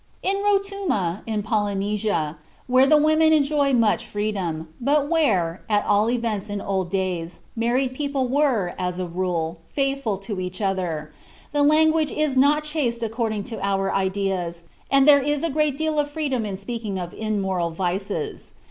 In Rotuma, in Polynesia, where the women enjoy much freedom, but where, at all events in old days, married people were, as a rule, faithful to each other, "the language is not chaste according to our ideas, and there is a great deal of freedom in speaking of immoral vices.